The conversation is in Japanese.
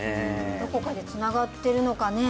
どこかでつながってるのかねえ